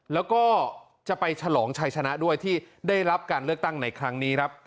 แล้วก็จะไปฉลองชัยชนะด้วยที่ได้รับการเลือกตั้งในครั้งนี้ครับ